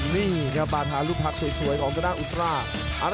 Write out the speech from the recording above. นี่ก็บาทารูปพรรคสวยของตัวเองอุตราร์